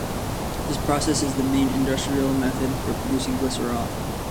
This process is the main industrial method for producing glycerol.